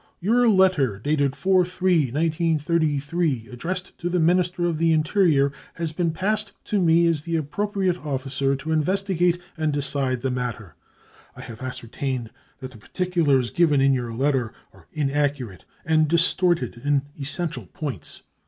" Your letter dated 4/3/1933, addressed to the Minister of the Interior, has been passed to me as the appropriate officer to investigate and decide the matter. " I have ascertained that the particulars given in your letter are inaccurate and distorted in essential points.